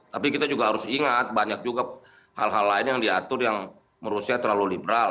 tapi kita juga harus ingat banyak juga hal hal lain yang diatur yang menurut saya terlalu liberal